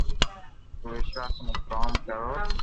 نہ وݾواݾ مون ڪوم ڪرو